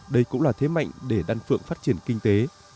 đây cũng là thế mạnh để đan phượng phát triển kinh tế